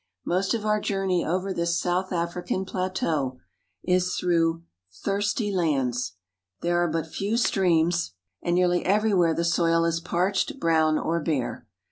Most of our journey over this South African plateau is FARMING IN SOUTH AFRICA 283' 1 I through thirsty lands. There are but few streams, and nearly everywhere the soil is parched, brown, or bare.